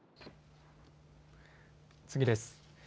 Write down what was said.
次です。